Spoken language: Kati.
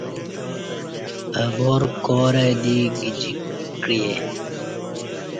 اہ وار کارہ دے کجییکے